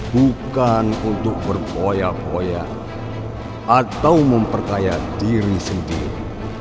bukan untuk berboya boya atau memperkaya diri sendiri